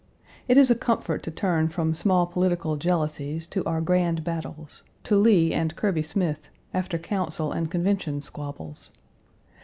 It is a comfort to turn from small political jealousies to our grand battles to Lee and Kirby Smith after Council and Convention squabbles.